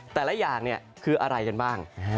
แต่ละอย่างคืออะไรกันบ้าง